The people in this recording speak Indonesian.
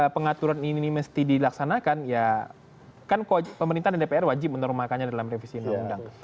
pengaturan ini mesti dilaksanakan ya kan pemerintah dan dpr wajib menormalkannya dalam revisi undang undang